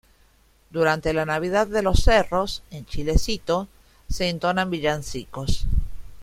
Durante la Navidad de los Cerros, en Chilecito, se entonan villancicos.